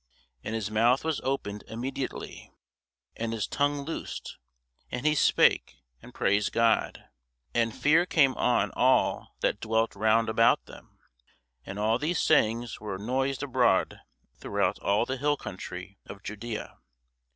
And his mouth was opened immediately, and his tongue loosed, and he spake, and praised God. And fear came on all that dwelt round about them: and all these sayings were noised abroad throughout all the hill country of Judæa.